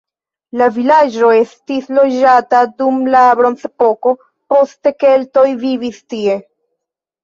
La vilaĝo estis loĝata dum la bronzepoko, poste keltoj vivis tie.